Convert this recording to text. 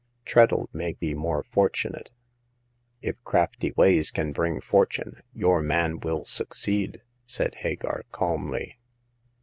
Treadle may be more fortunate." If crafty ways can bring fortune, your man will succeed," said Hagar, calmly.